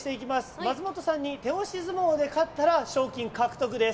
松本さんに手押し相撲で勝ったら賞金獲得です。